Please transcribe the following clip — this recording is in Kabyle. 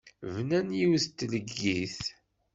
Bnan yiwet n tleggit.